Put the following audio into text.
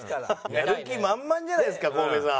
やる気満々じゃないですかコウメさん。